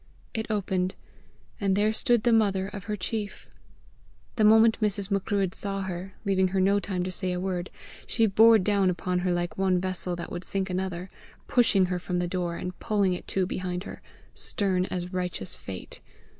It opened, and there stood the mother of her chief! The moment Mrs. Macruadh saw her, leaving her no time to say a word, she bore down upon her like one vessel that would sink another, pushing her from the door, and pulling it to behind her, stern as righteous Fate.